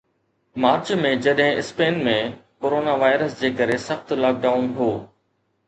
march ۾، جڏهن Spain ۾ corona virus جي ڪري سخت لاڪ ڊائون هو